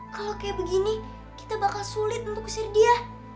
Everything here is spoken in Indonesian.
kalau kayak begini kita bakal sulit untuk usir dia